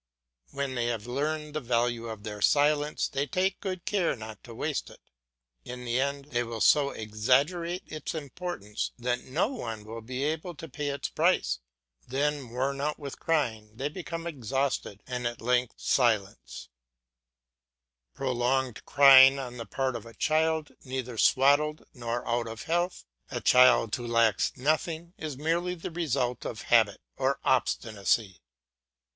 When they have learned the value of their silence they take good care not to waste it. In the end they will so exaggerate its importance that no one will be able to pay its price; then worn out with crying they become exhausted, and are at length silent. Prolonged crying on the part of a child neither swaddled nor out of health, a child who lacks nothing, is merely the result of habit or obstinacy.